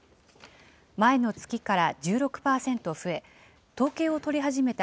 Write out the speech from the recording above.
前の月から１６％増え、統計を取り始めた